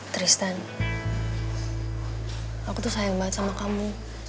tristan aku tuh sayang banget sama kamu